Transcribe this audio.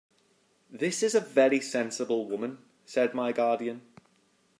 "This is a very sensible woman," said my guardian.